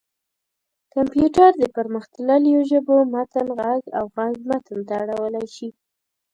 کمپيوټر د پرمختلليو ژبو متن غږ ته او غږ متن ته اړولی شي.